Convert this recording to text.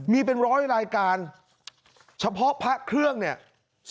มีเป็นร้อยรายการเฉพาะพระเครื่องเนี่ย